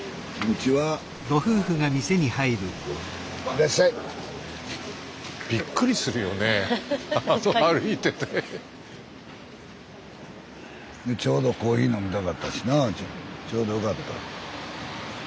ちょうどコーヒー飲みたかったしなちょうどよかった。